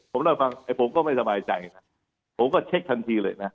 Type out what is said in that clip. ผมเล่าให้ฟังไอ้ผมก็ไม่สบายใจนะผมก็เช็คทันทีเลยนะ